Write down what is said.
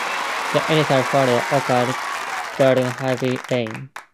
The initial failure occurred during heavy rain.